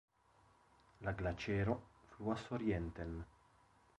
La glaĉero fluas orienten.